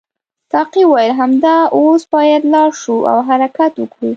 ساقي وویل همدا اوس باید لاړ شو او حرکت وکړو.